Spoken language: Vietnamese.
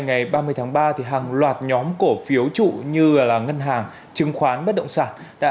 ngày ba mươi tháng ba hàng loạt nhóm cổ phiếu trụ như ngân hàng chứng khoán bất động sản đã